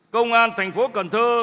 công an thành phố cần thơ